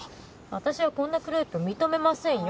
私はこんなクレープ認めませんよ。